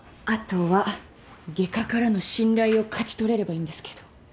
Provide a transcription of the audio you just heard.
後は外科からの信頼を勝ち取れればいいんですけど。